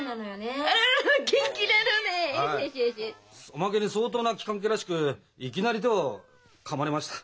おまけに相当なきかん気らしくいきなり手をかまれました。